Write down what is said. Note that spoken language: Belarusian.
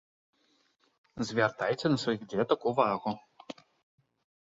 Звяртайце на сваіх дзетак увагу!